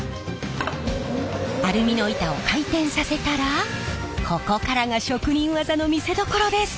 アルミの板を回転させたらここからが職人技の見せどころです。